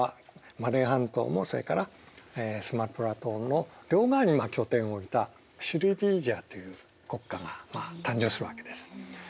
マレー半島もそれからスマトラ島も両側に拠点を置いたシュリーヴィジャヤという国家が誕生するわけです。